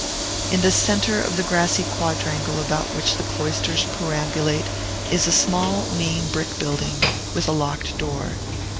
In the centre of the grassy quadrangle about which the cloisters perambulate is a small, mean brick building, with a locked door.